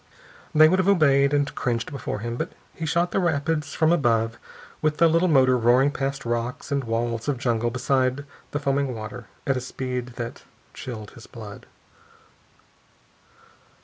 They would have obeyed and cringed before him. But he shot the rapids from above, with the little motor roaring past rocks and walls of jungle beside the foaming water, at a speed that chilled his blood.